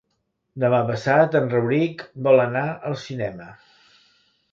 Demà passat en Rauric vol anar al cinema.